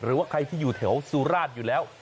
หรือว่าใครที่อยู่แถวสุราชอยู่แล้ว